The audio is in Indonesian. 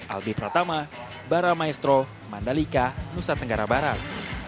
albi pratama bara maestro mandalika nusa tenggara barat